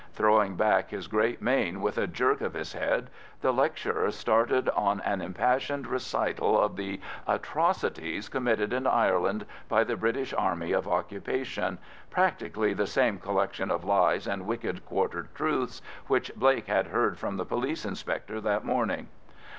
Throwing back his great mane with a jerk of his head, the lecturer started on an impassioned recital of the atrocities committed in Ireland by the British Army of Occupation, practically the same collection of lies and wicked quarter truths which Blake had heard from the police inspector that morning.